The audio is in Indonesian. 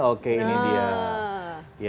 oke ini dia